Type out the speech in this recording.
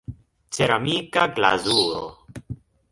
Ceramika glazuro.